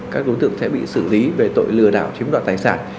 các đối tượng sẽ bị xử lý về tội lừa đảo chiếm đoạt tài sản